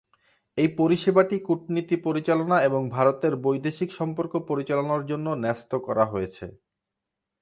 এই পরিষেবাটি কূটনীতি পরিচালনা এবং ভারতের বৈদেশিক সম্পর্ক পরিচালনার জন্য ন্যস্ত করা হয়েছে।